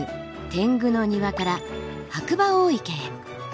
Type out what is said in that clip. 天狗の庭から白馬大池へ。